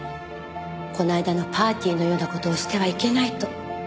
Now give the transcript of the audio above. この間のパーティーのような事をしてはいけないと。